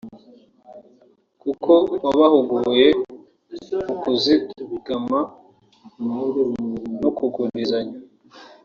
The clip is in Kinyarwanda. kuko wabahuguye mu kuzigama no kugurizanya